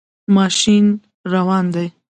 ماشین روان دی